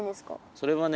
それはね